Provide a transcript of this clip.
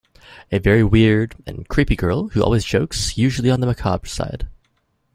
A very weird, and creepy girl who always jokes usually on the macabre side.